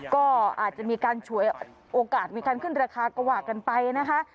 ก็อาจจะมีการฉวยโอกาสมีการขึ้นราคาก็ว่ากันไปนะคะ